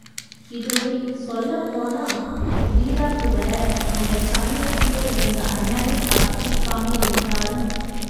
இதுலே சொல்லப் போன... வீராப்பு வேறே இந்தச் சமயத்திலே எங்க அண்ணனேப் பகைச்சுக்காமே இருந்தாலும்